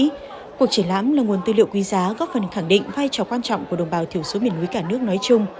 trường sơn khẳng định vai trò quan trọng của đồng bào thiểu số miền núi cả nước nói chung